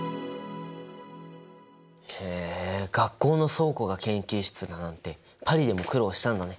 へえ学校の倉庫が研究室だなんてパリでも苦労したんだね。